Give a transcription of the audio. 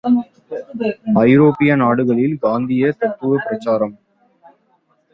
ஐரோப்பிய நாடுகளில் காந்தீய தத்துவப் பிரசாரம்!